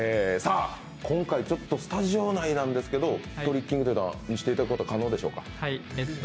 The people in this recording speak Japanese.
今回ちょっとスタジオ内なんですけど、トリッキングというのは見せていただくことは可能でしょうか？